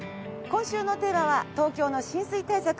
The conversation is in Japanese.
今週のテーマは東京の浸水対策。